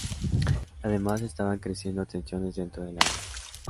Además, estaban creciendo tensiones dentro de la banda.